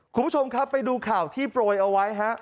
คุณผู้ชมครับไปดูข่าวที่โปรยเอาไว้ฮะ